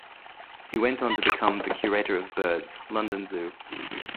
He went on to become the Curator of Birds, London Zoo.